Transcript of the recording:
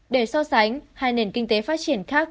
để so sánh hai nền kinh tế phát triển khác